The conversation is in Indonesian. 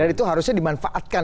dan itu harusnya dimanfaatkan